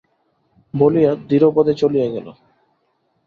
বলিয়া ধীরপদে চলিয়া গেল।